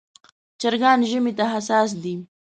چرګان ژمي ته حساس دي.